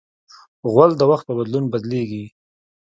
غول د وخت په بدلون بدلېږي.